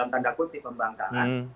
tanda putih pembangkangan